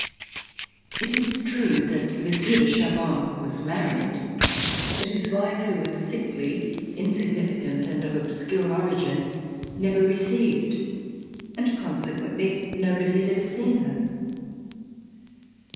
It is true that Monsieur de Chaban was married, but his wife who was sickly, insignificant and of obscure origin, never received, and consequently no body had ever seen her.